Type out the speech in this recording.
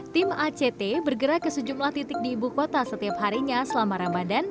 tim act bergerak ke sejumlah titik di ibu kota setiap harinya selama ramadan